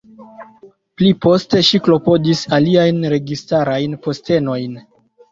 Pliposte, ŝi klopodis aliajn registarajn postenojn.